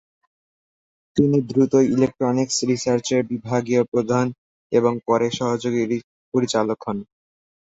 তিনি দ্রুতই ইলেক্ট্রনিক্স রিসার্চের বিভাগীয় প্রদান এবং পরে সহযোগী পরিচালক হন।